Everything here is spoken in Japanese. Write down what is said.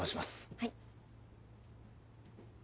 はい。